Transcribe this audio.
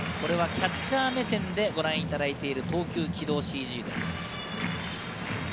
キャッチャー目線でご覧いただいている投球軌道ＣＧです。